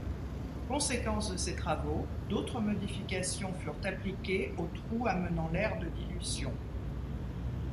Conséquence de ces travaux, d'autres modifications furent appliquées aux trous amenant l'air de dilution.